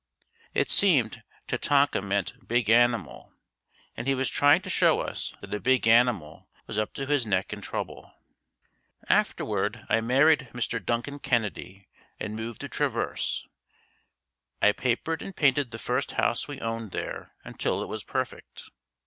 It seemed "Tetonka" meant big animal and he was trying to show us that a big animal was up to his neck in trouble. Afterward, I married Mr. Duncan Kennedy and moved to Traverse. I papered and painted the first house we owned there until it was perfect.